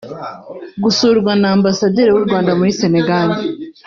Gusurwa na Ambasaderi w’u Rwanda muri Sénégal’